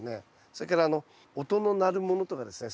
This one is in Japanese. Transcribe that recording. それから音の鳴るものとかですね